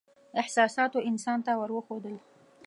احساساتو انسان ته ور وښودل.